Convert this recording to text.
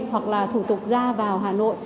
hoặc là thủ tục ra vào hà nội